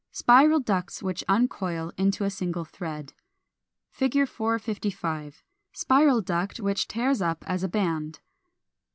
Spiral ducts which uncoil into a single thread. 455. Spiral duct which tears up as a band.